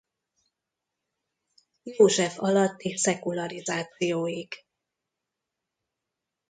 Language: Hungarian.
József alatti szekularizációig.